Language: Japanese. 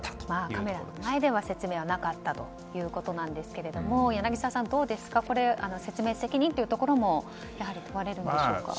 カメラの前では説明はなかったということですが柳澤さん、どうですか説明責任もやはり問われるのでしょうか。